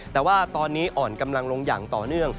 แต่ว่าตอนนี้อ่อนกำลังลงอย่างต่อเนื่อง